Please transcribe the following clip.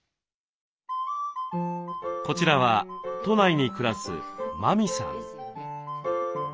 こちらは都内に暮らす麻美さん。